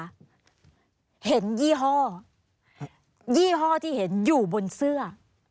เห็นยี่ห้อยี่ห้อที่เห็นอยู่บนเสื้อ